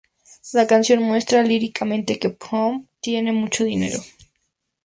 La canción muestra líricamente que Pump tiene mucho dinero.